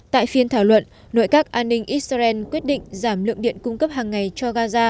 tại phiên thảo luận nội các an ninh israel quyết định giảm lượng điện cung cấp hàng ngày cho gaza